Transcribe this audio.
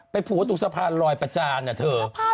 ไปผูกสะพานรอยประจานนะเธอ